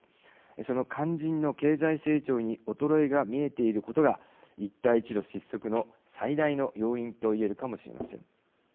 その肝心の経済成長に衰えが見えていることが一帯一路失速の最大の要因と言えるかもしれません。